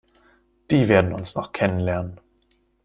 Die werden uns noch kennenlernen!